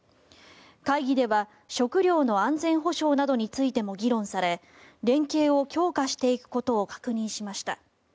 会議では食料の安全保障などについても議論され連携を強化していくことを確認しました。